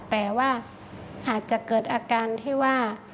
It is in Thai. แต่ว่าอาจจะเกิดอาการที่ว่า